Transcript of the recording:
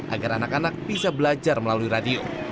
agar anak anak bisa belajar melalui radio